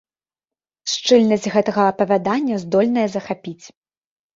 Шчыльнасць гэтага апавядання здольная захапіць.